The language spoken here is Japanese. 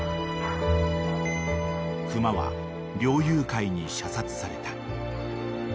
［熊は猟友会に射殺された］